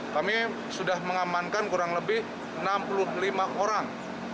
kami sudah mengamankan kurang lebih enam puluh lima orang